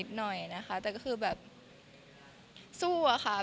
สำหรับวันนี้หรือเป็นสอบถาม